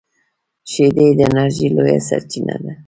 شیدې د انرژۍ لویه سرچینه ده